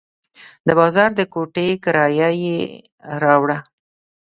د بازار د کوټې کرایه یې راوړه.